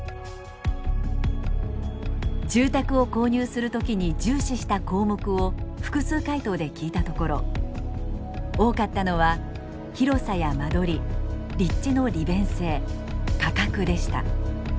住宅を購入する時に重視した項目を複数回答で聞いたところ多かったのは広さや間取り立地の利便性価格でした。